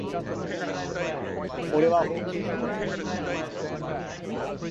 He is considered to be the "father" of the modern knuckleball.